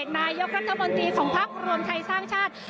นายกรัฐมนตรีของพักรวมไทยสร้างชาติ